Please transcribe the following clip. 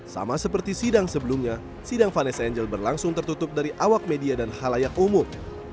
sama seperti sidang sebelumnya sidang vanessa angel berlangsung tertutup dari awak media dan halayak umum